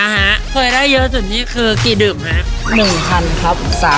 ห้ถ้าคืนนี้นะ